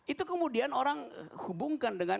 itu kemudian orang hubungkan dengan